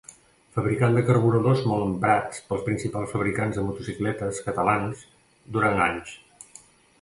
Fabricant de carburadors molt emprats pels principals fabricants de motocicletes catalans durant anys.